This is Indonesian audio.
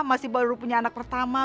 masih baru punya anak pertama